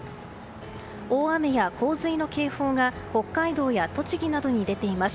大雨や洪水の警報が北海道や栃木などに出ています。